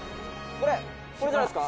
これじゃないですか？」